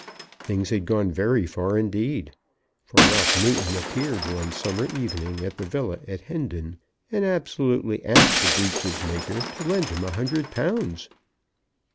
Things had gone very far indeed, for Ralph Newton appeared one summer evening at the villa at Hendon, and absolutely asked the breeches maker to lend him a hundred pounds!